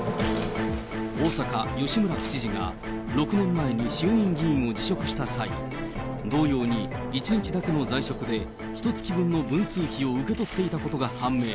大阪、吉村府知事が６年前に衆院議員を辞職した際、同様に１日だけの在職で、ひとつき分の文通費を受け取っていたことが判明。